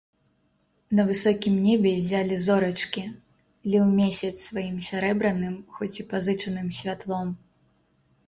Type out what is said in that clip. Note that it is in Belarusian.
На высокім небе ззялі зорачкі, ліў месяц сваім сярэбраным, хоць і пазычаным, святлом.